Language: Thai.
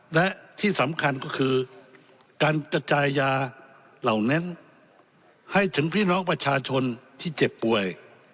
และที่สำคัญก็คือการกระจายยาเหล่านั้นให้ถึงพี่น้องประชาชนที่เจ็บป่วย